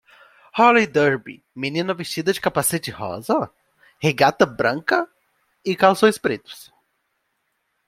Roller derby menina vestida de capacete rosa? regata branca? e calções pretos.